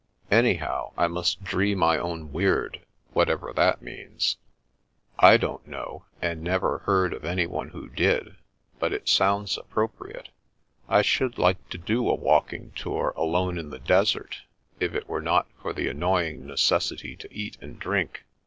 "Anyhow, I must dree my own weird — ^whatever that means. I don't lo The Princess Passes know, and never heard of anyone who did, but it sounds appropriate. I should like to do a walking tour alone in the desert, if it were not for the annoy ing necessity to eat and drink.